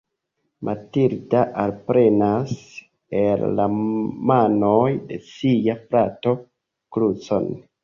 Matilda alprenas el la manoj de sia frato krucon.